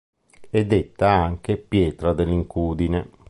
È detto anche "pietra dell'incudine".